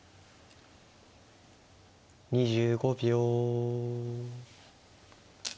２５秒。